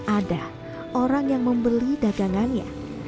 ada orang yang membeli dagangannya